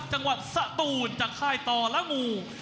จังหวัดสตูนจากค่ายต่อละหมู่